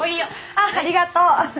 あありがとう。